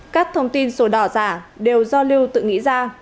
các thông tin sổ đỏ giả đều do lưu tự nghĩ ra